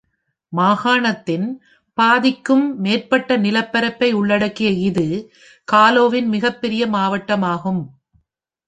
மாகாணத்தின் பாதிக்கும் மேற்பட்ட நிலப்பரப்பை உள்ளடக்கிய இது காலோவின் மிகப்பெரிய மாவட்டமாகும்.